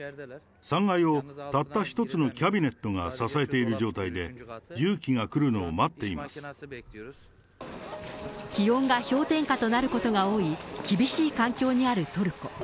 ３階をたった一つのキャビネットが支えている状態で、重機が来る気温が氷点下となることが多い厳しい環境にあるトルコ。